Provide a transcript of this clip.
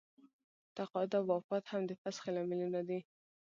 تقاعد او وفات هم د فسخې لاملونه دي.